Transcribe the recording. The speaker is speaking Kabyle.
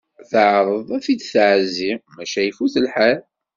Teɛreḍ ad t-id-tɛezzi maca ifut lḥal.